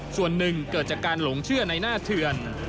ส่วนหนึ่งเกิดจากการหลงเชื่อในหน้าเถือน